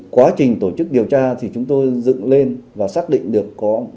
quá trình tổ chức điều tra chúng tôi dựng lên và xác định được